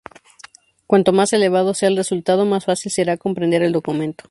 Cuanto más elevado sea el resultado, más fácil será comprender el documento.